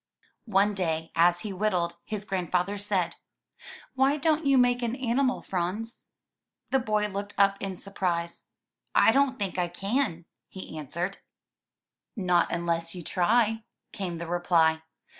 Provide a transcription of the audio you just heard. One day, as he whittled, his grandfather said, '*Why don't you make an animal, Franz?" The boy looked up in surprise. "I don't think I can," he answered. io8 THROUGH FAIRY HALLS Not unless you try," came the reply.